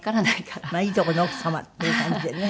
まあいいとこの奥様っていう感じでね。